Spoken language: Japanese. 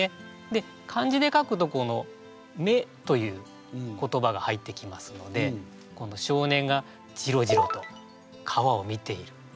で漢字で書くとこの「目」という言葉が入ってきますので少年がじろじろと川を見ている。